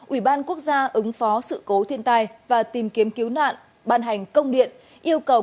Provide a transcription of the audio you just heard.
ủy ban quốc gia ứng phó sự cố thiên tai và tìm kiếm cứu nạn ban hành công điện yêu cầu